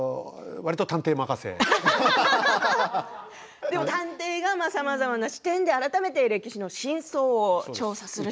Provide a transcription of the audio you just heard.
笑い声探偵がさまざまな視点で改めて歴史の真相を調査すると。